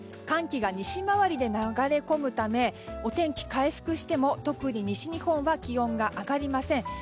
寒気が西回りで流れ込むためお天気回復しても特に西日本は気温が上がりません。